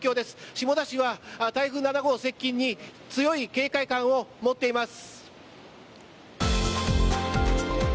下田市は台風７号接近に強い警戒感を持っています。